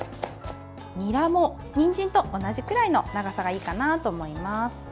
にらも、にんじんと同じくらいの長さがいいかなと思います。